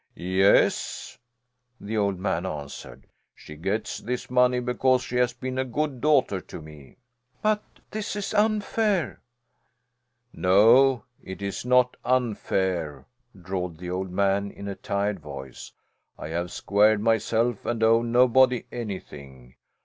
"Yes," the old man answered. "She gets this money because she has been a good daughter to me." "But this is unfair " "No, it is not unfair," drawled the old man in a tired voice. "I have squared myself and owe nobody anything.